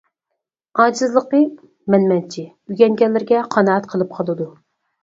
ئاجىزلىقى: مەنمەنچى، ئۆگەنگەنلىرىگە قانائەت قىلىپ قالىدۇ.